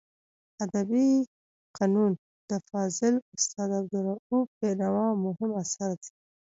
ادبي فنون د فاضل استاد عبدالروف بینوا مهم اثر دی.